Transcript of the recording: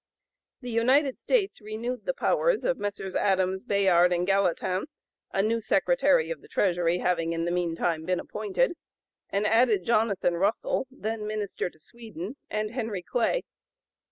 The United States renewed the powers of Messrs. Adams, Bayard, and Gallatin, a new Secretary of the Treasury having in the meantime been appointed, and added Jonathan Russell, then Minister to Sweden, and Henry Clay.